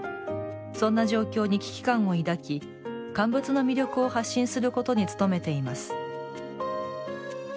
そんな状況に危機感を抱き乾物の魅力を発信することに努めています。